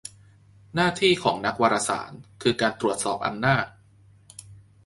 หน้าที่ของนักวารสาร คือการตรวจสอบอำนาจ